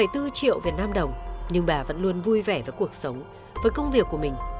bốn triệu việt nam đồng nhưng bà vẫn luôn vui vẻ với cuộc sống với công việc của mình